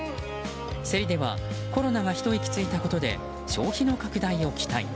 せりではコロナがひと息ついたことで消費の拡大を期待。